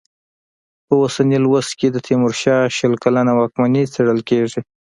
په اوسني لوست کې د تېمورشاه شل کلنه واکمني څېړل کېږي.